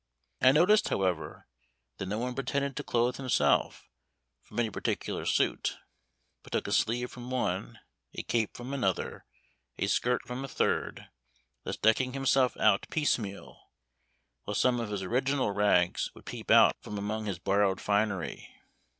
I noticed, however, that no one pretended to clothe himself from any particular suit, but took a sleeve from one, a cape from another, a skirt from a third, thus decking himself out piecemeal, while some of his original rags would peep out from among his borrowed finery.